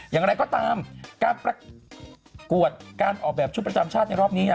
อย่างไรก็ตามการประกวดการออกแบบชุดประจำชาติในรอบนี้